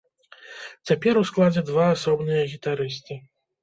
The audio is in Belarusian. Цяпер у складзе два асобныя гітарысты.